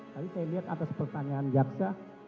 tapi saya lihat atas pertanyaan javka